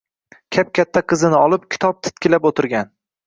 Kap-katta qizini olib, kitob titkilab oʻtirgan